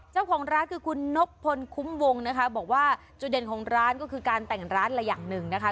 เจ้าของร้านคือคุณนบพลคุ้มวงนะคะบอกว่าจุดเด่นของร้านก็คือการแต่งร้านละอย่างหนึ่งนะคะ